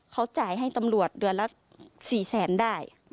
เขาจ่ายให้ตำรวจเดือนละ๔แสนได้